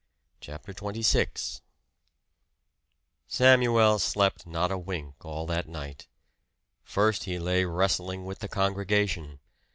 CHAPTER XXVI Samuel slept not a wink all that night. First he lay wrestling with the congregation.